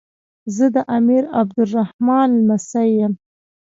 زه د امیر عبدالرحمان لمسی یم.